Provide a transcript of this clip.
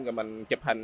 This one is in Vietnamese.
rồi mình chụp hình